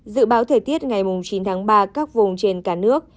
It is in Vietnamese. dự báo thời tiết ngày chín tháng ba các vùng trên cả nước